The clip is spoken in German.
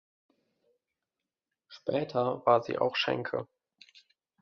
Später war sie auch Schenke.